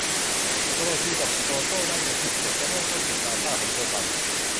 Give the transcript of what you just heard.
โดโรธี จับโตโต้ได้ในที่สุด และเริ่มต้นติดตามป้าของเธอไป